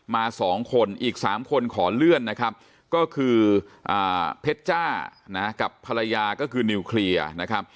มา๒คนอีก๓คนขอเลื่อนนะครับก็คือเพชรจ้านะกับภรรยาก็คือนิวเคลียร์นะครับ